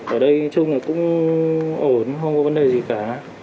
ở đây chung là cũng ổn không có vấn đề gì cả